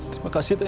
terima kasih teh